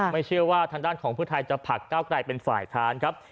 ไม่เชื่อว่าทางด้านของเพื่อไทยจะผลักก้าวไกลเป็นฝ่ายค้านครับ